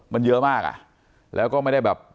มันเยอะมากอ่ะแล้วก็ไม่ได้แบบ